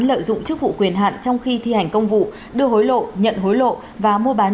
lợi dụng chức vụ quyền hạn trong khi thi hành công vụ đưa hối lộ nhận hối lộ và mua bán